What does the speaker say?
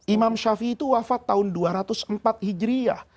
imam syafi'i itu wafat tahun dua ratus empat hijri ya